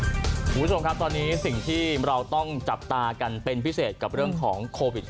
คุณผู้ชมครับตอนนี้สิ่งที่เราต้องจับตากันเป็นพิเศษกับเรื่องของโควิด๑๙